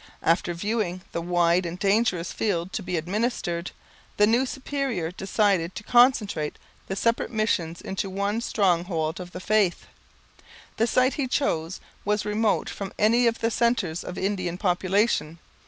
After viewing the wide and dangerous field to be administered, the new superior decided to concentrate the separate missions into one stronghold of the faith. The site he chose was remote from any of the centres of Indian population.